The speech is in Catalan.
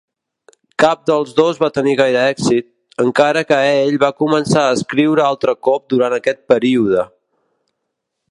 Cap dels dos va tenir gaire èxit, encara que ell va començar a escriure altre cop durant aquest període.